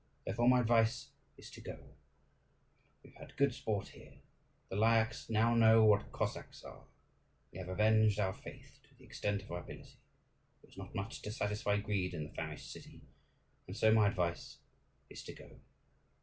Therefore my advice is to go. We have had good sport here. The Lyakhs now know what Cossacks are. We have avenged our faith to the extent of our ability; there is not much to satisfy greed in the famished city, and so my advice is to go."